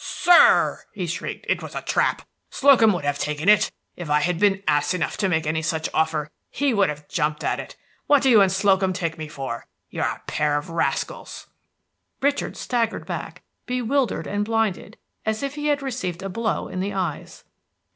"Sir!" he shrieked, "it was a trap! Slocum would have taken it! If I had been ass enough to make any such offer, he would have jumped at it. What do you and Slocum take me for? You're a pair of rascals!" Richard staggered back, bewildered and blinded, as if he had received a blow in the eyes.